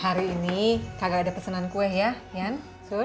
hari ini kagak ada pesanan kue ya yan sur